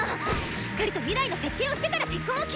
しっかりと未来の設計をしてから結婚を決めるべきです！